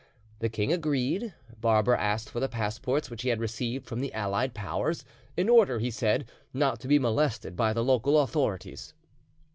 The king agreed; Barbara asked for the passports which he had received from the allied powers, in order, he said, not to be molested by the local authorities.